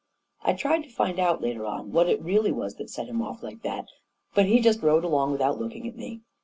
I tried to find out, later on, what it really was that had set him off like that ; but he just rode along without looking at me.